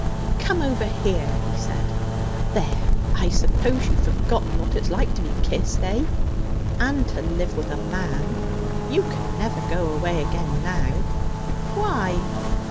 'Come over here!' he said. 'There! I suppose you've forgotten what it's like to be kissed, eh? And to live with a man? You can never go away again now.' 'Why?'